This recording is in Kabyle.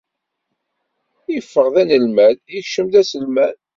Iffeɣ d anelmad, ikcem d aselmad.